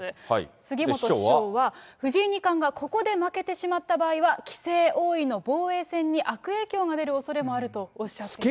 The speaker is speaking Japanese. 杉本師匠は、藤井二冠がここで負けてしまった場合は、棋聖、王位の防衛戦に悪影響が出るおそれもあるとおっしゃっています。